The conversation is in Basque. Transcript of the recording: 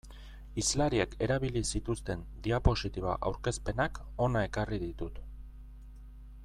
Hizlariek erabili zituzten diapositiba aurkezpenak hona ekarri ditut.